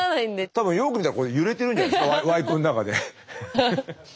多分よく見たら揺れてるんじゃないですかワイプの中で。